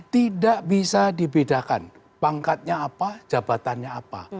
tidak bisa dibedakan pangkatnya apa jabatannya apa